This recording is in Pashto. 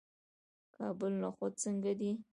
د کابل نخود څنګه دي؟